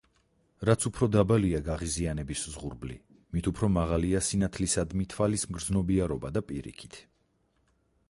რაც უფრო დაბალია გაღიზიანების ზღურბლი, მით უფრო მაღალია სინათლისადმი თვალის მგრძნობიარობა და პირიქით.